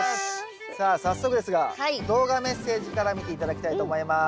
さあ早速ですが動画メッセージから見て頂きたいと思います。